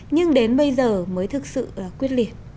nhưng đến bây giờ mới thực sự quyết liệt